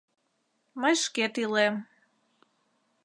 — Мый шкет илем...